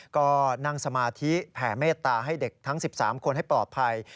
ก็นั่งสมาธิแผ่เมตตาให้เด็กทั้ง๑๓คนให้ปลอดภัย